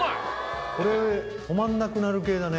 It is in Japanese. これ止まんなくなる系だね。